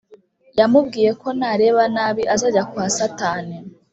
yamubwiyeko nareba nabi azajya kwa satani